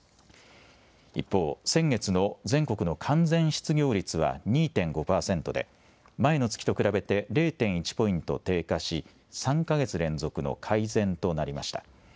一方、先月の全国の完全失業率は２．５％で、前の月と比べて０．１ポイント低下し、３か月連続の改善となりました。